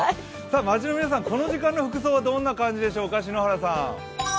街の皆さん、この時間の服装はどんな感じでしょうか、篠原さん。